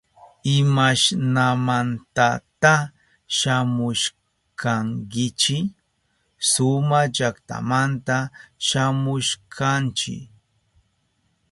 ¿Imashnamantata shamushkankichi? Suma llaktamanta shamushkanchi.